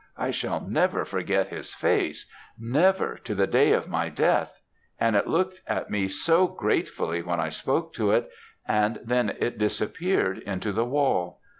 I shall never forget his face never, to the day of my death; and it looked at me so gratefully when I spoke to it, and then it disappeared into the wall.'